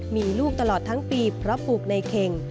มีลูกตลอดทั้งปีเพราะปลูกในเข่ง